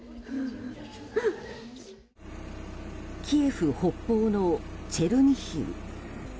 キエフ北方のチェルニヒウ。